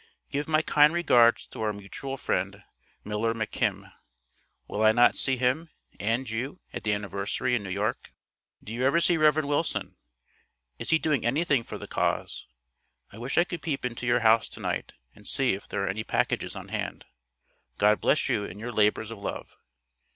Give my kind regards to our mutual friend, Miller McKim. Will I not see him and you at the anniversary in New York? Do you ever see Rev. Willson? Is he doing anything for the cause? I wish I could peep into your house to night, and see if there are any "packages" on hand. God bless you in your labors of love.